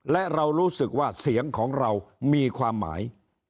และเรารู้สึกว่าเสียงของเรามีความหมาย